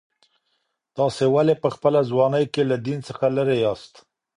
تاسي ولي په خپله ځواني کي له دین څخه لیري یاست؟